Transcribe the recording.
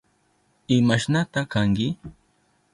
¿Imashnata kanki?